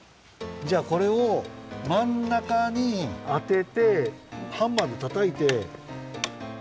じゃあこれをまんなかにあててハンマーでたたいて。